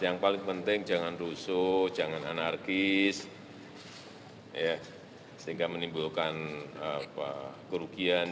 yang paling penting jangan rusuh jangan anarkis sehingga menimbulkan kerugian